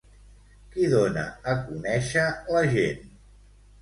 Qui dona a conèixer la gent?